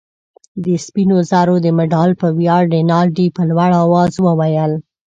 د سپینو زرو د مډال په ویاړ. رینالډي په لوړ آواز وویل.